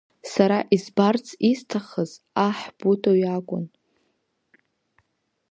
Сара избарц исҭахыз аҳ Путо иакәын!